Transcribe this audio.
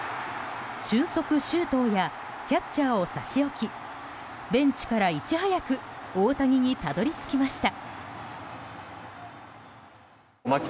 俊足、周東やキャッチャーをさしおきベンチからいち早く大谷にたどり着きました。